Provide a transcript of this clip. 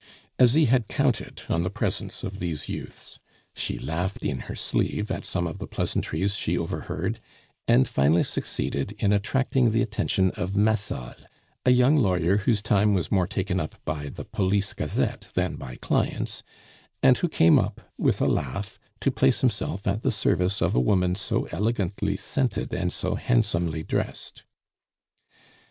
Asie had counted on the presence of these youths; she laughed in her sleeve at some of the pleasantries she overheard, and finally succeeded in attracting the attention of Massol, a young lawyer whose time was more taken up by the Police Gazette than by clients, and who came up with a laugh to place himself at the service of a woman so elegantly scented and so handsomely dressed.